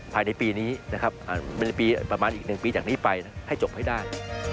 ภายในปีนี้นะครับประมาณอีก๑ปีจากนี้ไปให้จบให้ได้